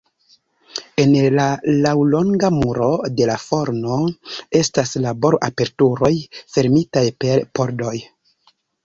En la laŭlonga muro de la forno estas labor-aperturoj fermitaj per pordoj.